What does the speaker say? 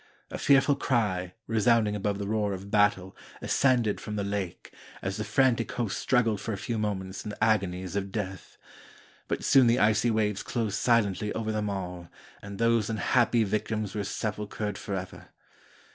A fearful cry, resound ing above the roar of battle, ascended from the lake, as the frantic host struggled for a few moments in the agonies of death. But soon the icy waves closed silently over them all, and those unhappy victims were sepul chered forever.